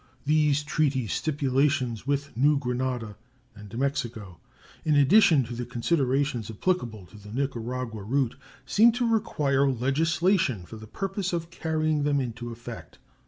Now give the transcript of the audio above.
These treaty stipulations with New Granada and Mexico, in addition to the considerations applicable to the Nicaragua route, seem to require legislation for the purpose of carrying them into effect.